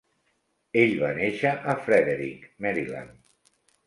Ell va néixer a Frederick, Maryland.